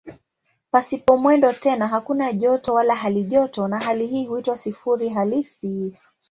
Pasipo mwendo tena hakuna joto wala halijoto na hali hii huitwa "sifuri halisi".